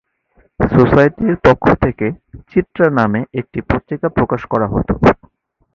সোসাইটির পক্ষ থেকে 'চিত্রা' নামে একটি পত্রিকা প্রকাশ করা হত।